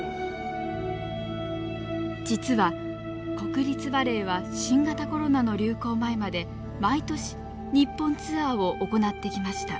実は国立バレエは新型コロナの流行前まで毎年日本ツアーを行ってきました。